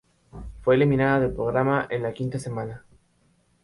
Fue eliminada del programa en la quinta semana.